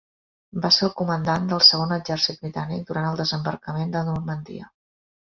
Va ser el comandant del Segon Exèrcit britànic durant el Desembarcament de Normandia.